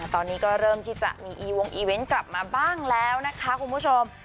ตอนนี้ก็เริ่มที่จะมีอีวงอีเวนต์กลับมาบ้างแล้วนะคะคุณผู้ชม